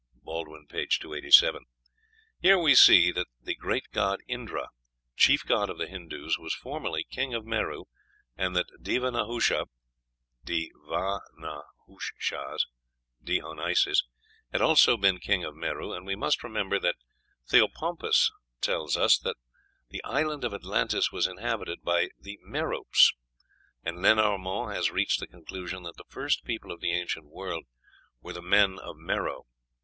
(Ibid., p. 287.) Here we see that the great god Indra, chief god of the Hindoos, was formerly king of Meru, and that Deva Nahusha (De(va)nushas De onyshas) had also been king of Meru; and we must remember that Theopompus tells us that the island of Atlantis was inhabited by the "Meropes;" and Lenormant has reached the conclusion that the first people of the ancient world were "the men of Mero."